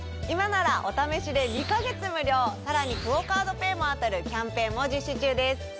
今ならお試しで２か月無料さらにＱＵＯカードＰａｙも当たるキャンペーンも実施中です。